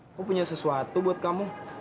aku punya sesuatu buat kamu